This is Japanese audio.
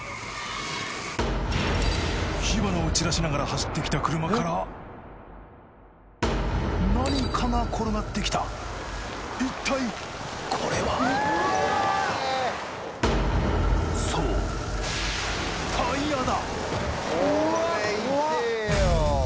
火花を散らしながら走ってきた車から何かが転がってきた一体これはそうタイヤだ！